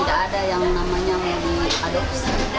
tidak ada yang namanya mau diadopsi